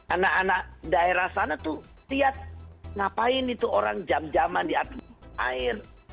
anak anak daerah sana tuh lihat ngapain itu orang jam jaman di atas air